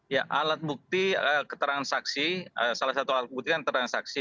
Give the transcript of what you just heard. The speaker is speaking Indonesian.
ya alat bukti keterangan saksi salah satu alat bukti kan keterangan saksi